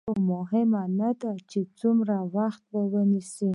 ښاغلو مهمه نه ده چې څومره وخت به ونيسي.